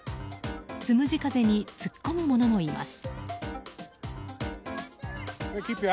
つむじ風に突っ込む者もいます。